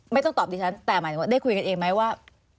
ไม่ต้องตอบดิฉันแต่หมายถึงว่าได้คุยกันเองไหมว่า